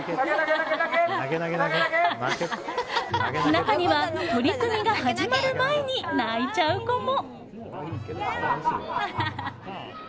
中には、取組が始まる前に泣いちゃう子も。